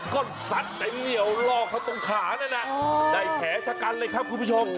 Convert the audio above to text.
ก็ซัดแต่เหลี่ยวลอกเขาตรงขานั่นได้แผลชะกันเลยครับคุณผู้ชม